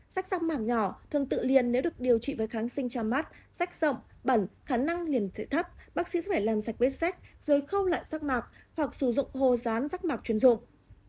rắc rắc mạc nhỏ thường tự liền nếu được điều trị với kháng sinh tra mắt rắc rộng bẩn khả năng liền thể thấp bác sĩ sẽ phải làm sạch bếp sách rồi khâu lại rắc mạc hoặc sử dụng hồ rán rắc mạc chuyên dụng